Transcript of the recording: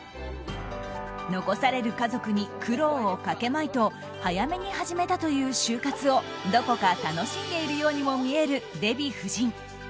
残される家族に苦労をかけまいと早めに始めたという終活をどこか楽しんでいるようにも見える、デヴィ夫人。